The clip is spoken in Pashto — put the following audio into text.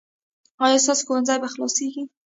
ایا ستاسو ښوونځی به خلاصیږي؟